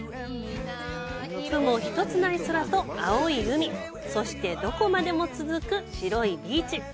雲ひとつない空と青い海、そして、どこまでも続く白いビーチ。